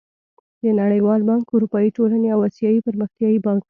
د نړېوال بانک، اروپايي ټولنې او اسيايي پرمختيايي بانک